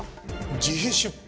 自費出版？